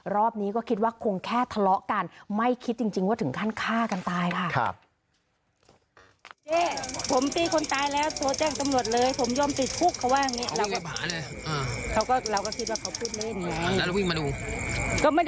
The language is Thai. รอบนี้ก็คิดว่าคงแค่ทะเลาะกันไม่คิดจริงว่าถึงขั้นฆ่ากันตายค่ะ